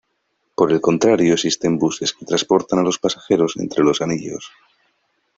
Por el contrario existen buses que transportan a los pasajeros entre los anillos.